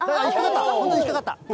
本当に引っ掛かった。